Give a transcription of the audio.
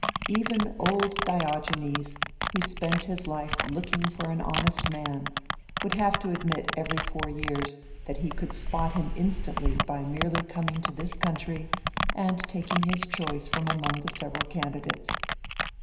Even old Diogenes, who spent his life looking for an honest man, would have to admit every four years that he could spot him instantly by merely coming to this country and taking his choice from among the several candidates."